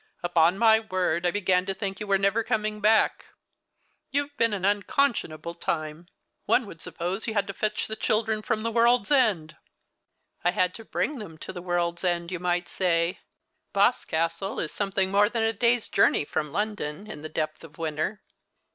" Upon 'my word, I began to think you were never coming back. You've been an unconscionable time. One would suppose you had to fetch the children from the world's end." The Christma.s Hirelings. 97 " I had to bring them to the world's end, you might say. Boscastle is something more than a day's journey from London in the depth of winter."